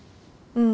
うん。